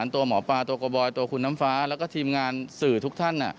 ตัวหมอปลาตัวกระบอยตัวคุณน้ำฟ้าแล้วก็ทีมงานสื่อทุกท่าน